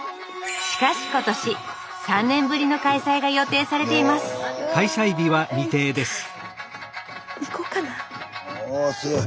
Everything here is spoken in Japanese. しかし今年３年ぶりの開催が予定されていますえ行きたい！